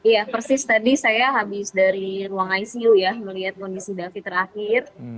ya persis tadi saya habis dari ruang icu ya melihat kondisi davi terakhir